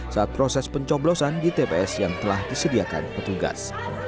saat proses pencoblosan di tps yang telah disediakan petugas